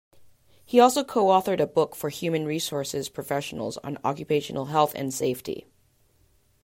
He also co-authored a book for human resources professionals on occupational health and safety.